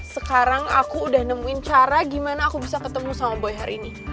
sekarang aku udah nemuin cara gimana aku bisa ketemu sama boy hari ini